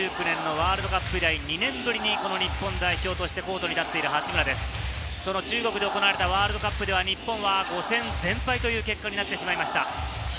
２０１９年のワールドカップ以来２年ぶりにこの日本代表として、コートに立っている八村、中国で行われたワールドカップは日本、５戦全敗という結果でした。